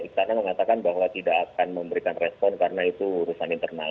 istana mengatakan bahwa tidak akan memberikan respon karena itu urusan internal